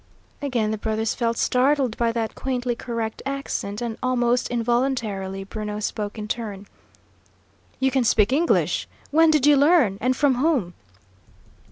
Again the brothers felt startled by that quaintly correct accent, and almost involuntarily Bruno spoke in turn: "You can talk English? When did you learn? And from whom?"